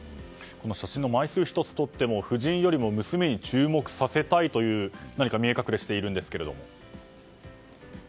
写真の枚数１つ取っても夫人よりも娘に注目させたいというのが見え隠れしているんですけども。